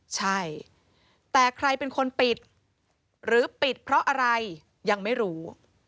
ใช่แต่ใครเป็นคนปิดหรือปิดเพราะอะไรยังไม่รู้